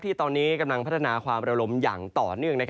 ที่ตอนนี้กำลังพัฒนาความระลมอย่างต่อเนื่อง